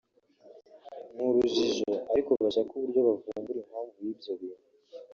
n’urujijo ariko bashake uburyo bavumbura impamvu y’ibyo bintu